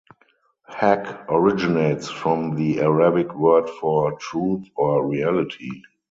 Haqq originates from the Arabic word for truth or reality.